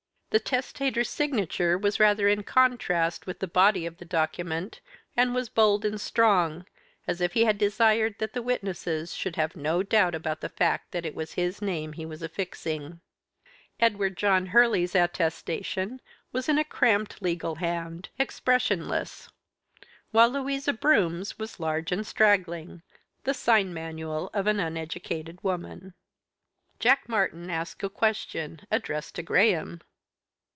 The testator's signature was rather in contrast with the body of the document, and was bold and strong, as if he had desired that the witnesses should have no doubt about the fact that it was his name he was affixing. Edward John Hurley's attestation was in a cramped legal hand, expressionless, while Louisa Broome's was large and straggling, the sign manual of an uneducated woman. Jack Martyn asked a question, addressed to Graham.